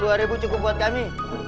uang rp dua ribu cukup buat kami